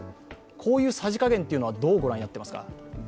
こういうさじ加減はどう御覧になっていますか。